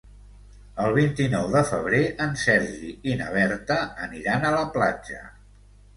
El vint-i-nou de febrer en Sergi i na Berta aniran a la platja.